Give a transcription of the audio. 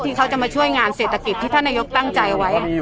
เขาจะมาช่วยงานเศรษฐกิจที่ท่านนายกตั้งใจไว้